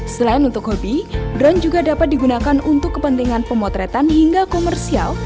selain untuk hobi drone juga dapat digunakan untuk kepentingan pemotretan hingga komersial